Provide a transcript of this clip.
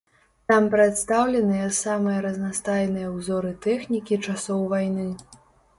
Там прадстаўленыя самыя разнастайныя ўзоры тэхнікі часоў вайны.